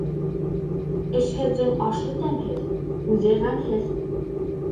Эшһеҙҙең ашы тәмһеҙ, үҙе ғәмһеҙ.